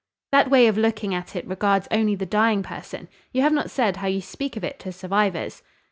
"That way of looking at it regards only the dying person; you have not said how you speak of it to survivors."